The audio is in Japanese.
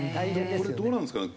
これどうなんですかね。